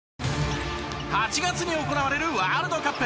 ８月に行われるワールドカップ。